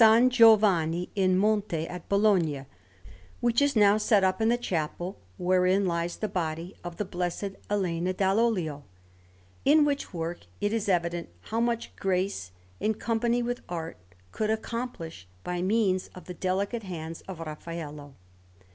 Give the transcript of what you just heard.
Giovanni in Monte at Bologna, which is now set up in the chapel wherein lies the body of the Blessed Elena dall' Olio: in which work it is evident how much grace, in company with art, could accomplish by means of the delicate hands of Raffaello.